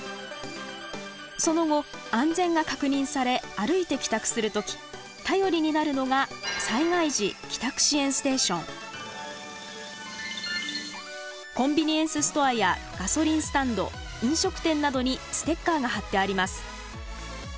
その後安全が確認され歩いて帰宅する時頼りになるのがコンビニエンスストアやガソリンスタンド飲食店などにステッカーが貼ってあります。